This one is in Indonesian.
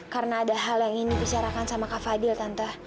karena ada hal yang ingin dibicarakan sama kak fadil tante